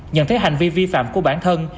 nhận thấy hành vi vi phạm của bản thân